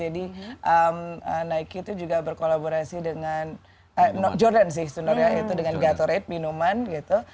jadi nike itu juga berkolaborasi dengan jordan enam sebenarnya itu dengan gatorade minuman gitu